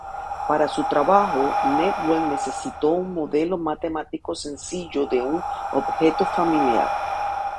Para su trabajo, Newell necesitó un modelo matemático sencillo de un objeto familiar.